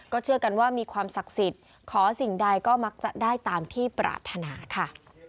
เชื่อกันว่ามีความศักดิ์สิทธิ์ขอสิ่งใดก็มักจะได้ตามที่ปรารถนาค่ะ